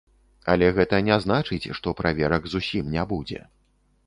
Але гэта не значыць, што праверак зусім не будзе.